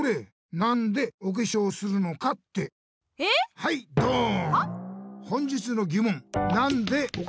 はいドーン！